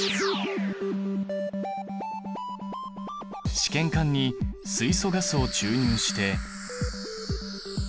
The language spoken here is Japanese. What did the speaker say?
試験管に水素ガスを注入して。